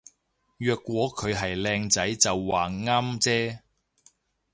若果佢係靚仔就話啱啫